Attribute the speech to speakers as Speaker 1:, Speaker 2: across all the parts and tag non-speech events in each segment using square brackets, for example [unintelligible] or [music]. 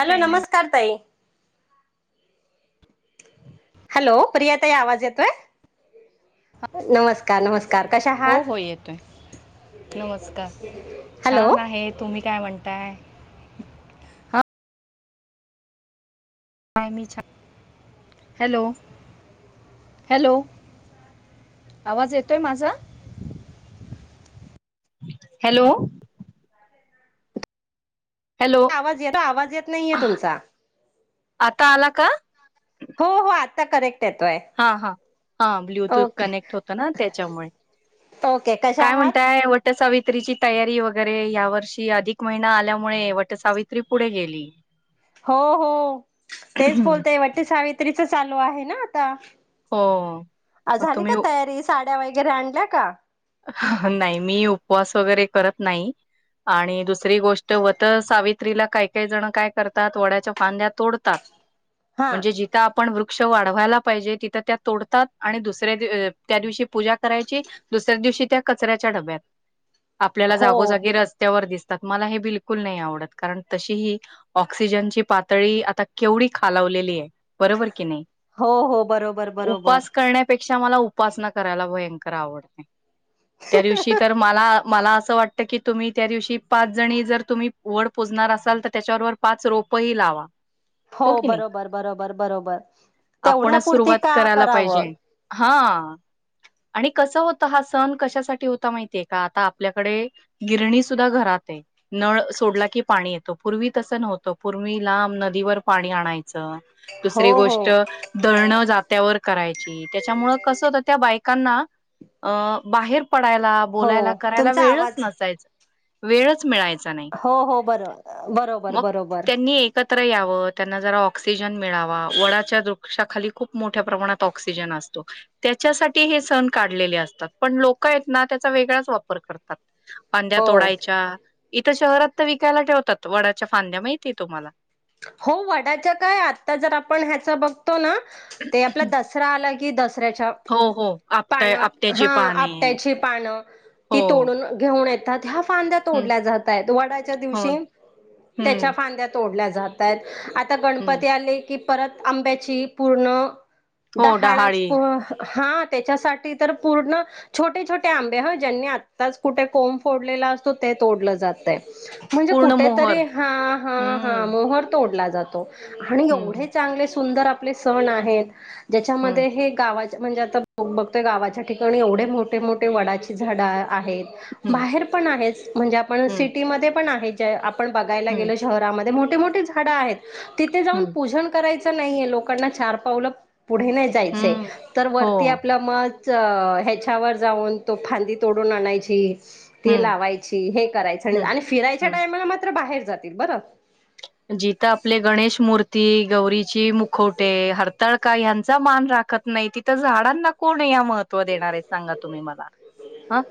Speaker 1: Hello
Speaker 2: माझा
Speaker 1: नमस्कार ताई. हॅलो प्रिया ताई आवाज येतोय, नमस्कार नमस्कार. कशा
Speaker 2: हो
Speaker 1: आहात?
Speaker 2: हो येतोय नमस्कार,
Speaker 1: हॅलो.
Speaker 2: छान आहे तुम्ही काय म्हणताय. मी छान, हॅलो हॅलो आवाज येतोय माझा. हॅलो. हॅलो
Speaker 1: आवाज येतो आवाज येत नाहीये तुमचा.
Speaker 2: आता आला का?
Speaker 1: हो हो आता करेक्ट येतोय.
Speaker 2: हा हा, हा ब्लुटूथ
Speaker 1: ओके
Speaker 2: कनेक्ट होत ना त्याच्यामुळे,
Speaker 1: ओके कशा
Speaker 2: काय
Speaker 1: आहात?
Speaker 2: म्हणताय वटसावी सावित्रीची तयारी वगैरे या वर्षी अधिक महिना आल्यामुळे वटसावित्री पुढे गेली.
Speaker 1: हो हो, तेच बोलत वटसावित्रीच चालू आहे ना. ता.
Speaker 2: हो
Speaker 1: अ
Speaker 2: मग
Speaker 1: झाली
Speaker 2: तुम्ही
Speaker 1: का तयारी सा ड्या वगैरे आणल्या का?
Speaker 2: नाही मी उपवास वगैरे करत नाही आणि दुसरी गोष्ट वटसावित्रीला काही काही जण काय करतात वड्याच्या फांद्या तोडतात.
Speaker 1: हा
Speaker 2: म्हणजे जिथं आपण वृ वृक्ष वाढवायला पाहिजे तिथ त्या तोडतात आणि दुसऱ्या त्या दिवशी पूजा करायची. दिवशी त्या कचऱ्याच्या डब्यात आपल्याला
Speaker 1: हो
Speaker 2: जागोजागी रस्त्यावर दिस मला हे बिलकुल नाही आवडत कारण तशी ही ऑक्सिजनची पातळी आता केवढी खालावलेली आहे. बरोबर कि नाही
Speaker 1: हो हो बरोबर बरोबर.
Speaker 2: उपस करण्यापेक्षा मला उपासना करायला भयंकर आवडते. त्या दिवशी तर मला मला असं वाटतं की तुम्ही त्या दिवशी पाच जणी जर तुम्ही वड पोजणार असाल तर त्याच्याबरोबर पाच रोपही लावा.
Speaker 1: हो
Speaker 2: की नाही
Speaker 1: बरोबर बरोबर बरोबर
Speaker 2: आपणच
Speaker 1: तेवढ्यापुरती
Speaker 2: सुरुवात
Speaker 1: का
Speaker 2: करायला पाहिजे.
Speaker 1: करावं.
Speaker 2: हा आणि कस होत. हा सण कशासाठी होता माहितीये का आता आपल्याकडे गिरणी सुद्धा घरात आहे. नळ सोडला की पाणी येतो पूर्वी तसं नव्हतं पूर्वी लांब नदीवर पाणी आणायचं. च
Speaker 1: हो
Speaker 2: दुसरी
Speaker 1: हो
Speaker 2: गोष्ट धलण जात्यावर करायच. त्याच्यामुंळ कसं होत त्या बायकांना अ बाहेर पडायला
Speaker 1: हो
Speaker 2: बोलायला करायला
Speaker 1: तुमचा
Speaker 2: वेळच
Speaker 1: आवाज
Speaker 2: नसायच. वेळच मिळायच
Speaker 1: हो हो बरो बरोबर बरोबर.
Speaker 2: त्रय याव त्यांना जरा ऑक्सिजन मिळावा वडाच्या वृक्षाखाली खूप मोठ्या प्रमाणात ऑक्सिजन असतो. त्याच्यासाठी हे सण काढलेले अस पण लोक आहेत ना त्याचा वेगळाच वापर करतात. फाद्या
Speaker 1: हो
Speaker 2: तोडायच्या. इथं शहरात तर विकायला ठेवतात वडाच्या फांद्या माहिती आहे तुम्हाला?
Speaker 1: हो वडाच्या काय आता जर आपण ह्याच बघ तो ना, ते आपला दसरा आ की दस
Speaker 2: हो हो
Speaker 1: [unintelligible]
Speaker 2: आपट्या
Speaker 1: पान
Speaker 2: आपट्याची
Speaker 1: हा
Speaker 2: पाने
Speaker 1: आपट्याची पान,
Speaker 2: हो
Speaker 1: ती तोडून घेऊन य [unintelligible] फांद्या
Speaker 2: हम्म
Speaker 1: तोडल्या जात आहेत वडाच्या
Speaker 2: हो
Speaker 1: दिवशी,
Speaker 2: हम्म
Speaker 1: त्याच्या फांद्या तोडल्या जात तात. आता
Speaker 2: हम्म
Speaker 1: गणपती आले की परत आंब्याची पूर्ण
Speaker 2: हो
Speaker 1: डहाळच
Speaker 2: डहाळी
Speaker 1: [unintelligible] हा त्याच्यासाठी तर पूर्ण छोटे छोटे आंबे ह ज्यांनी आत्ताच कुठे कोंब फोडलेला असतो ते तोडलं जात आहे. म्हणजे
Speaker 2: पूर्ण मोहर
Speaker 1: कुठेतरी हा हा
Speaker 2: हम्म
Speaker 1: हा मोहर फोडला जातो. आणि एवढे चांगले सुंदर आपले सण आहेत. ज्याच्यामध्ये हे गावाचे म्हणजे आता ब बघतोय गावाच्या ठिकाणी एवढे मोठे मोठे वडाची झाडं आहेत. बाहेर पण आहे म्हणजे आपण सिटीमध्ये पण आहे. [inaudible] आपण बघायला गेलो शहरामध्ये मोठ मोठे मोठे झाडे खडा आहेत तिथे जाऊन पूजन करायचं नाहीये लोकांना चछार पावलं पुढे नाही जायचे तर वरती
Speaker 2: हो.
Speaker 1: आपल्या म ह्याच्यावर जाऊन तो फांदी तोडून आणायची ती
Speaker 2: हं,
Speaker 1: लावायची हे करायचं आणि
Speaker 2: हं,
Speaker 1: आणि फिरायच्या
Speaker 2: हं.
Speaker 1: टायमला मात्र बाहेर जातील बर
Speaker 2: जिथं आपले गणेश मूर्ती गौरीची मुखोटे हरताळ का ह्यांचा मान राखत नाही तिथं झाडांना कोण महत्व देणार आहे सांगा तुम्ही मला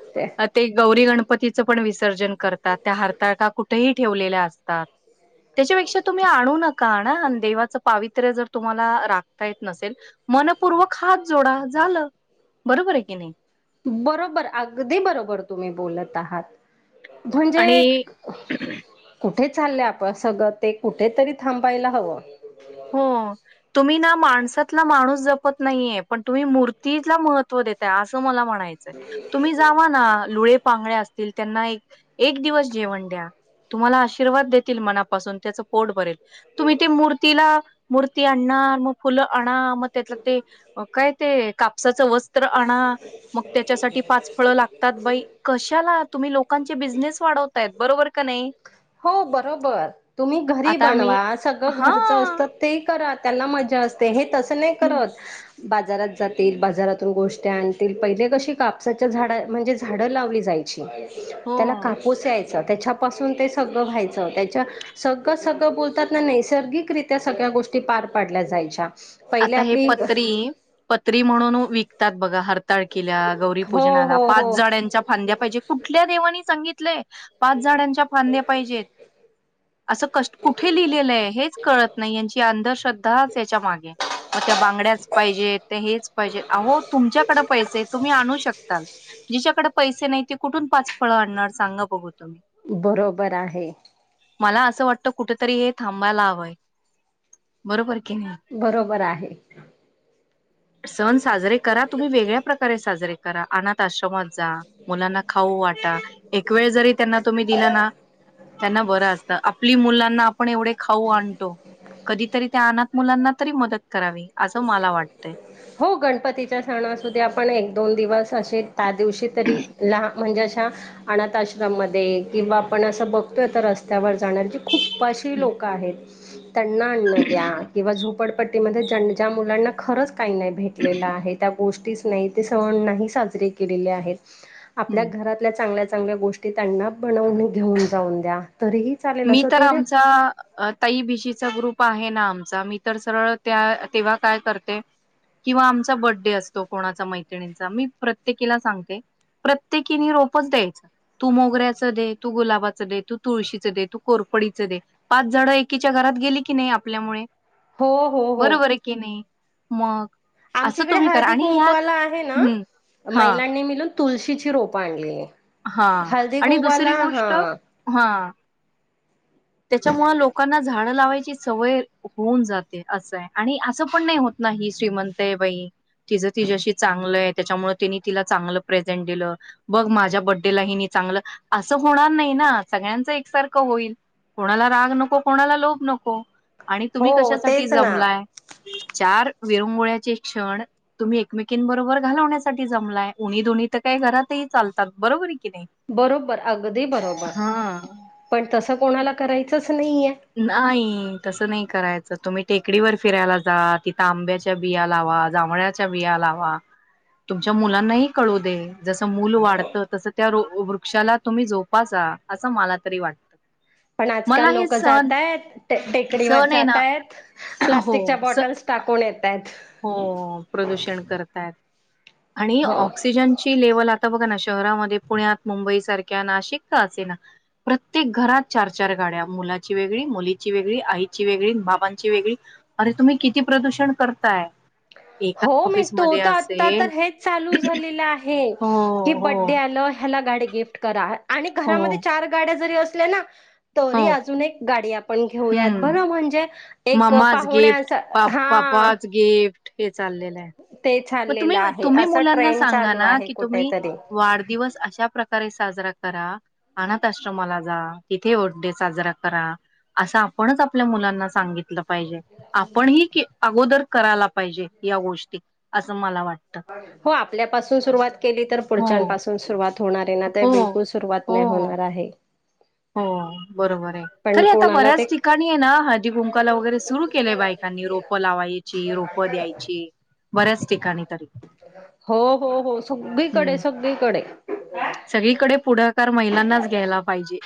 Speaker 2: ते गौरी गणपती पतीच पण विसर्जन करतात त्या हरताळका कुठेही ठेवलेल्या असतात त्याच्यापेक्षा तुम्ही आणू नका आण देवाच पावित्र्य जर तुम्हाला राखता येत नसेल मनपूर्वक हात जोडा झालं बरोबर आहे की नाही
Speaker 1: बरोबर अगदी बरोबर तुम्ही बोलत आहात
Speaker 2: आणि
Speaker 1: म्हणजे कुठे चालले आपण सगळं ते कुठेतरी थांबायला हवं
Speaker 2: हो तुम्ही ना माणसात माणूस जपत नाहीये पण तुम्ही मूर्तीला महत्व देताय असं मला म्हण म्हणायचंय तुम्ही जावा ना लुळे पांगळे असतील त्यांना एक एक दिवस जेवण द्या तुम्हाला आशीर्वाद देतील मनापासून त्याच पोट भरेल तुम्ही ते मूर्ती मूर्ती आणा मग फुलांना आणि त्यातलं काय ते कापसा च वस्त्र आणा मग त्याच्यासाठी पाच फळ लागतात बाई कशाला तुम्ही लोकांचे बिझनेस वाढवतायत बरोबर का नाही
Speaker 1: हो बरोबर तुम्ही घरी
Speaker 2: आता आम्ही
Speaker 1: बनवा सगळ
Speaker 2: हा
Speaker 1: घरच असतात ते करात त्यांना मजा असते हे तस नाही करत बाजारात जातील बाजारातून गोष्टी आणतील पहिले कशी कापसाच्या झाडा म्हणजे झाडं लावली जायची त्याला
Speaker 2: हो.
Speaker 1: कापूस यायचा त्याच्या पासून ते सगळं व्हायचं त्याच्या सगळं सगळं बोलतात ना नैसर्गिकरित्या सगळ्या गोष्टी पार पडल्या जायच्या पहिले
Speaker 2: आता हे
Speaker 1: आपली
Speaker 2: पत्री पत म्हणून विकतात बघा हर तळकील्या गौरी
Speaker 1: हो
Speaker 2: पूजनाला
Speaker 1: हो
Speaker 2: पाच
Speaker 1: हो
Speaker 2: जण्याांच्या फांद्या पाहिजे कुठल्या देवाांनी गित पाच झाडाचे ां पाहिजेत असं क कुठे लिहिलेलं आहे हेच कळत नाही यांची अंधश्रद्धा दहा याच्या माग मग त्या बांगड्याच पाहिजे हेच पाहिजे हो तुमच्याकडे पैसे तुम्ही आणू शकताल जिच्याकडे पैसे नाही. ते कुठून पाच फळं आणणार सांगा बघू तुम्ही
Speaker 1: बरोबर आहे.
Speaker 2: मला असं वाटत कुठेतरी हे थांबायला हवंय बरोबर की नाही.
Speaker 1: बरोबर आहे.
Speaker 2: सण साजरे करा तुम्ही वेगळ्या प्रकारे साजरे अनाथ आश्रम मुलांना खाऊ वाटा एक वेळ जरी त्यांना तुम्ही दिला ना त्यांना बर असत आपली मुला ना आपण एवढे खाऊ आणतो. कधीतरी आन - मुलांना तरी मदत करावी असं मला वाटतंय
Speaker 1: हो गणपतीच्या सणासध आपण एक दोन दिवस असे. त्या दिवशी तरी लहान म्हणजे अशा अनाथ आश्रममध्ये किंवा आपण असं बघतोय तर रस्त्यावर जाणार जी खूप उपाशी
Speaker 2: हम्म.
Speaker 1: लोक आहेत त्यांना अन्न द्या किंवा झप झोपडपट्टी मध्यें ज्या मुलांना खरंच काही नाही भेटलेला आहे त्या गोष्टी च नाही ते सण नाही साजरे केलेले आहेत. आपल्या घरातल्या चांगल्या चांगल्या गोष्टी त्यांना बनवूने घेऊन जाऊन दया.
Speaker 2: मी तर आमचा अअ ताई भिशीचा ग्रुप प आहे ना आमचा मी तर सरळ त्या तेव्हा काय करते किंवा आमचा बर्थडे असतो कोणाचा मैत्रिणींचा मी प्रत्येकीला सांगते प्रत्येकीनि रोपच द्यायच तू मोगऱ्याच दे तू गुलाबाचं दे तू तुळशीच दे तू कोरफडीच दे पाच झाड एकीच्या घरात गेली की नाही आपल्यामुळे
Speaker 1: हो हो हो
Speaker 2: बरोबर ये की नही. मग
Speaker 1: आमच्या
Speaker 2: असं
Speaker 1: इकडे
Speaker 2: तुम्ही करा
Speaker 1: हळदी
Speaker 2: आणि ह्यात
Speaker 1: कुंकवाला आहे ना
Speaker 2: हम्म हा
Speaker 1: महिलांनी मिलून तुलशीची रोपं आणली.
Speaker 2: ह
Speaker 1: हळदी
Speaker 2: आणि
Speaker 1: कुंकवाला
Speaker 2: दुसरी
Speaker 1: हा
Speaker 2: गोष्ट ह त्याच्यामुळे लोकांना झाड लावायची सवय होऊन जाते असआहे आणि अस पण नाही होत नाही श्रीमंत आहे बाई तिचं तिच्याशी चांगलंय त्याच्यामुळे तिनी तिला चांगल प्रेझेंट दिलं बघ माझ्या बड्डेलाही नि चांगलं असं होणार नाही ना सगळ्यांच एकसारखं होईल कोणाला राग नको कोणाला लोभ नको. आणि तुम्ही
Speaker 1: हो
Speaker 2: कशासाठी
Speaker 1: तेच ना
Speaker 2: जमलाय चार विरंगोळ्याचे क्षण तुम्ही एकमेकींबरोबर घालवण्यासाठी जमलाय. उणी दुणी तर काय घरातही चालत. [unintelligible]
Speaker 1: बरोबर अगदी बरोबर
Speaker 2: हा
Speaker 1: पण तस कोणाला करायचंच.. नाहीये
Speaker 2: नाही तसं नाही करायचं तुम्ही. टेकडीवर फिरायला जा तिथं आंब्याच्या बिया लावा जांभळाच्या बिया लावा तुमच्या मुलांनाही कळू दे जसं मूल वाढतं तसं त्या वृ वृक्षाला तुम्ही जोपासा असं मला तरी वाटतं.
Speaker 1: पण
Speaker 2: मला
Speaker 1: आजकाल
Speaker 2: हे
Speaker 1: लोक
Speaker 2: सण
Speaker 1: जातय टे टेकडीवर
Speaker 2: सण आहे ना
Speaker 1: जातयत
Speaker 2: हो
Speaker 1: प्लास्टिकच्या
Speaker 2: स
Speaker 1: बॉटल्स टाकून येतायेत.
Speaker 2: हो प्रदूषण करताय. रिकामा ऑडिओ आणि
Speaker 1: हो
Speaker 2: ऑक्सिजनची लेव्हल आता बघा ना कशी? शहरामध्ये पुण्यात मुंबई सारख्या नाशिक का असेना प्रत्येक घरात चार चार गाड्या मुलाची वेगळी, मुलीची वेगळी, आईची वेगळी बाबांची वेगळी अरे तुम्ही किती प्रदूषण कर काय?
Speaker 1: हो मी तू त आता तर हेच चालू झालेलं आहे
Speaker 2: हो,
Speaker 1: कीं,
Speaker 2: हो,
Speaker 1: बड्डे आलं, ह्याला गाडी गिफ्ट करा. आणि
Speaker 2: हो,
Speaker 1: घरामध्ये चार गाड्या जरी अस [unintelligible] तरी
Speaker 2: हो.
Speaker 1: अजून एक गाडी आपण घेऊयात
Speaker 2: हं.
Speaker 1: बघा म्हणजे एक
Speaker 2: मम्माज गिफ्ट,
Speaker 1: पाहुण्यांस अ
Speaker 2: पा
Speaker 1: हा....
Speaker 2: पापाज गिफ्ट हे चाललेलं आहे.
Speaker 1: ते
Speaker 2: मग
Speaker 1: चाललेलं
Speaker 2: तुम्ही
Speaker 1: आहे
Speaker 2: तुम्ही
Speaker 1: असा
Speaker 2: मुलांना
Speaker 1: ट्रेंड
Speaker 2: सांगा
Speaker 1: चालू
Speaker 2: ना
Speaker 1: आहे
Speaker 2: कि तुम्ही
Speaker 1: कुठेतरी
Speaker 2: वाढदिवस अशा प्रकारे सा साजरा करा अनाथ आश्रमाला जा तिथे वर् डे साजरा करा असं आपणच आपल्या मुलांना सांगितल.. पाहिजे आपण ही के आहोत. करायला पाहिजे या गोष्टी. असं मला वाटतं.
Speaker 1: हो आपल्यापासून सुरुवात केली तर
Speaker 2: हो
Speaker 1: पुढच्यापासून सुरुवात.. होणार आहे ना ते
Speaker 2: हो
Speaker 1: बिलकुल सुरुवात
Speaker 2: हो
Speaker 1: नाही होणार आहे.
Speaker 2: हो.. बरोबर आहे
Speaker 1: पण
Speaker 2: तरी आता
Speaker 1: कोणाला
Speaker 2: बऱ्याच
Speaker 1: ते
Speaker 2: ठिकाणी आहे ना, हळदीकुंकवाला वैगरे सुरु केलंय बायकांनी. रोप लावायची. रोप द्यायची. बऱ्याच ठिकाणी तरी
Speaker 1: हो हो हो सगळीकडे
Speaker 2: हम्
Speaker 1: सगळीकडे
Speaker 2: सगळीकडे पुढाकार महिलांनाच घ्यायला पाहिजे.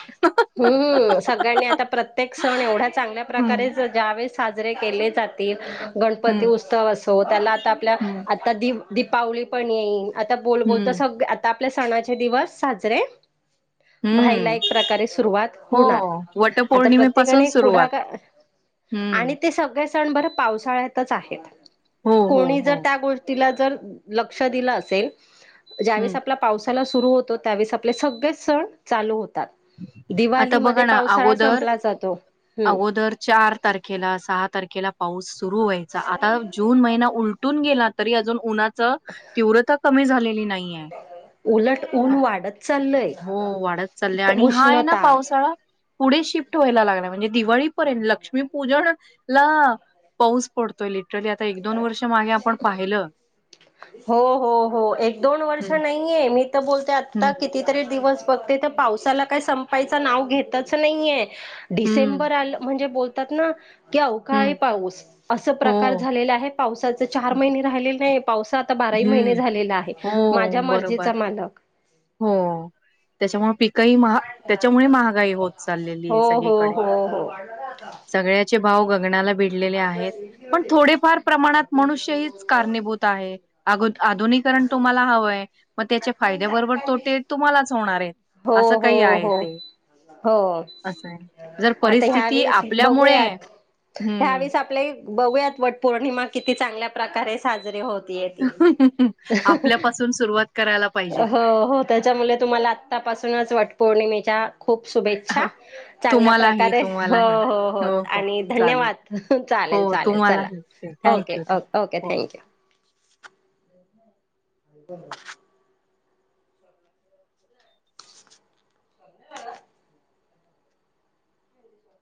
Speaker 1: हम्म सगळ्यांनी आता प्रत्येक सण एवढा चांगल्या
Speaker 2: हं,
Speaker 1: प्रकारेच जावेस साजरे केले जातील. गणपती
Speaker 2: हं,
Speaker 1: उत्सव असो त्याला आता आपल्या
Speaker 2: हं,
Speaker 1: आता दिव दीपावली पण येईल. आता बोल बोल तर
Speaker 2: हं,
Speaker 1: सगळ आता आपले सणाचे दिवस साजरे भाईला
Speaker 2: हं.
Speaker 1: एक प्रकार कारे सुरुवात
Speaker 2: हो,
Speaker 1: होणार आता
Speaker 2: वटपौर्णिमेपासून
Speaker 1: प्रत्येकाने
Speaker 2: सुरुवात.
Speaker 1: पुढाकार आणि
Speaker 2: हं.
Speaker 1: ते सगळे सण बर पावसाळ्यातच आहे येत
Speaker 2: हो, हो,
Speaker 1: कोणी
Speaker 2: हो.
Speaker 1: जर त्या गोष्टीला ल ज्यावेळेस
Speaker 2: हं.
Speaker 1: आपला पावस सुरू होतो त्यावेळेस आपले सगळेच सण चालू होतात
Speaker 2: आता बघा
Speaker 1: दिवाळीमध्ये
Speaker 2: ना
Speaker 1: पावसाळा
Speaker 2: अगोदर
Speaker 1: संपला जातो. हम्म
Speaker 2: अगोदर चार तारखेला सात तारखेला पाऊस सुरू व्हायचा आता जून महिना उलटून गेला त अजून उन तीव्र क झा नाही नाही आहे
Speaker 1: उलट ऊन वाढत चाललंय
Speaker 2: हो वाढत चालल आणि हा आहे ना
Speaker 1: उष्णता
Speaker 2: पावसाळा पुढे शिफ्ट व्हायला लागणार म्हणजे दिवाळीपर्यंत लक्ष्मीपूजन ला पाऊस पडतोय लिटरली. आता वर्ष मागे आपण पाहिलं.
Speaker 1: हो हो हो एक दोन वर्ष
Speaker 2: हं,
Speaker 1: नाहीये मी बोलते आता
Speaker 2: हं,
Speaker 1: कितीतरी दिवस बघते तर पावसाला काय संपायचं नाव घेतच नाहीये
Speaker 2: हं.
Speaker 1: डिसेबर आल म्हणजे बोल. बोलतात ना की अहो काय
Speaker 2: हं,
Speaker 1: पाऊस असं
Speaker 2: हो.
Speaker 1: प्रकार- आहे पावसाचे चार महिने राहिले- [unintelligible] पाऊस आता बाराही महिने
Speaker 2: हं.
Speaker 1: झालेला आहे
Speaker 2: हो,
Speaker 1: माझ्या
Speaker 2: बरोबर.
Speaker 1: मर्जीचा मालक.
Speaker 2: काही म त्याच्यामुळे महागाई होत चाललेली
Speaker 1: हो
Speaker 2: आहे
Speaker 1: हो
Speaker 2: सगळीकडे
Speaker 1: हो हो
Speaker 2: सगळ्याचे- भाव गगणाला- भिडलेले आहेत पण थोडेफार प्रमाणात मनुष्य हीच कारणीभूत आहेत. आगोद- आधुनिककरण तुम्हाला हवंय? मग त्याचे फायद्या बरोबर तोटे तुम्हालाच होणार आहेत असं
Speaker 1: हो
Speaker 2: काही
Speaker 1: हो
Speaker 2: आहे
Speaker 1: हो
Speaker 2: ते
Speaker 1: हो
Speaker 2: असं आहे जर
Speaker 1: आता
Speaker 2: परिस्थिती
Speaker 1: ह्यावेेळेस
Speaker 2: आपल्यामुळे हम्म-
Speaker 1: बघुयात वटपौर्णिमा किती चांगल्या प्रकारे साजरीे होत-
Speaker 2: [unintelligible]
Speaker 1: हो
Speaker 2: सुरुवात करायला पाहिजे.
Speaker 1: हो त्याच्यामुळे तुम्हाला आतापासूनच वाट पौर्णिमे- त्या खूप शुभेच्छा
Speaker 2: हो,
Speaker 1: चांगल्या
Speaker 2: तुम्हालाही,
Speaker 1: प्रकारे हो
Speaker 2: तुम्हालाही.
Speaker 1: हो आणि
Speaker 2: चालेल.
Speaker 1: धन्यवाद
Speaker 2: हो
Speaker 1: चालेल चालेल
Speaker 2: तुम्हाला
Speaker 1: चला
Speaker 2: thank you
Speaker 1: okay
Speaker 2: thank you
Speaker 1: okay okay
Speaker 2: हो
Speaker 1: थँक्यू. [unintelligible]